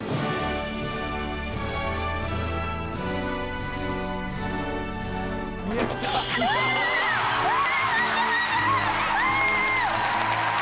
うわ！